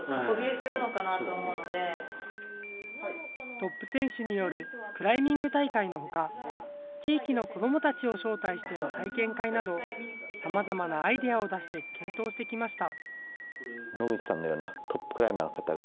トップ選手によるクライミング大会のほか、地域の子どもたちを招待しての体験会など、さまざまなアイデアを出して検討してきました。